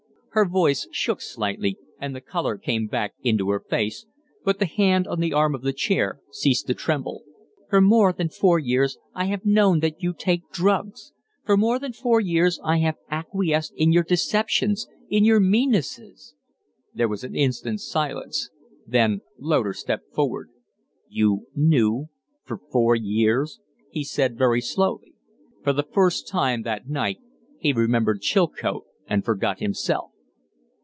Her voice shook slightly and the color came back into her face, but the hand on the arm of the chair ceased to tremble. "For more than four years I have known that you take drugs for more than four years I have acquiesced in your deceptions in your meannesses " There was an instant's silence. Then Loder stepped forward. "You knew for four years?" he said, very slowly. For the first time that night he remembered Chilcote and forgot himself.